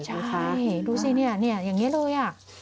ใช่ดูสิอย่างนี้เลย